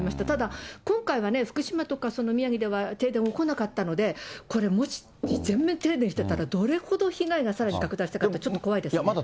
ただ、今回はね、福島とか宮城では、停電が起こらなかったので、これ、もし全面停電してたら、どれほど被害がさらに拡大したかって、ちょっと怖いですね。